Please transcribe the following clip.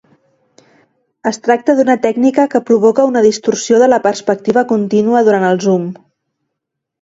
Es tracta d'una tècnica que provoca una distorsió de la perspectiva contínua durant el zoom.